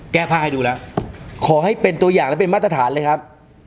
แก้ผ้าให้ดูแล้วขอให้เป็นตัวอย่างและเป็นมาตรฐานเลยครับ